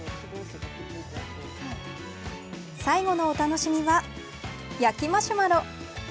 最後のお楽しみは焼きマシュマロ。